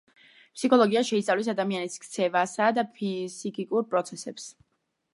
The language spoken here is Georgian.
ფსიქოლოგია შეისწავლის ადამიანის ქცევასა და ფსიქიკურ პროცესებს.